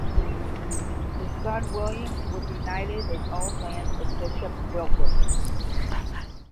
His son William would be knighted and own lands in Bishop Wilton.